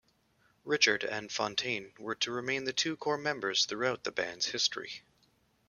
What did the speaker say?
Richard and Fontaine were to remain the two core members throughout the band's history.